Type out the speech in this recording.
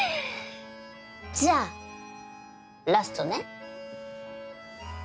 じゃラストね。